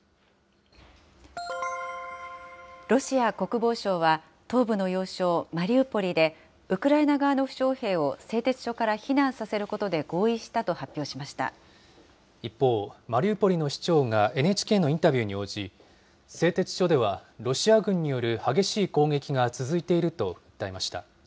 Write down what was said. ロシア国防省は、東部の要衝マリウポリで、ウクライナ側の負傷兵を製鉄所から避難させることで合意したと発一方、マリウポリの市長がＮＨＫのインタビューに応じ、製鉄所ではロシア軍による激しい攻撃